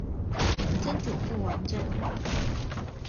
曾祖父王珍。